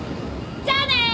じゃあね！